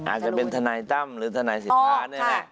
อาจจะเป็นทนัยตั้มหรือทนัยศิษฐาน